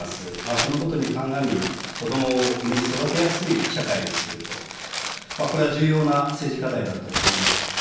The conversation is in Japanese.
そのことにかんがみ、子どもを産み育てやすい社会にすると、これは重要な政治課題だと思います。